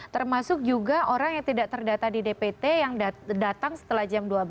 termasuk juga orang yang tidak terdata di dpt yang datang setelah jam dua belas